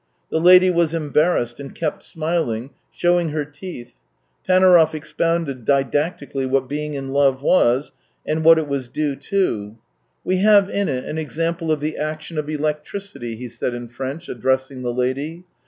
The lady was embarrassed, and kept smiling, showing her tooth. Panaurov expounded didactically what being in love was, and what it was due to. " We have in it an example of the action of electricity." he said in French, addressing the lady.